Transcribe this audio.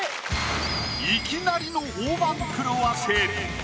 いきなりの大番狂わせ。